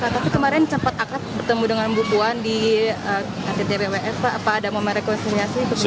tapi kemarin cepat akrab bertemu dengan bu puan di ktpws pak apa ada momen rekuensiasi